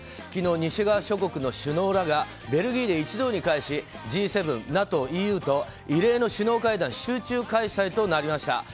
昨日、西側諸国の首脳らがベルギーで一堂に会しＧ７、ＮＡＴＯ、ＥＵと異例の首脳会談集中開催となりました。